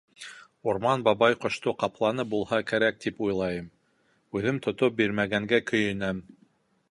«Урман бабай ҡошто ҡапланы булһа кәрәк» тип уйлайым, үҙем тотоп бирмәгәнгә көйөнәм.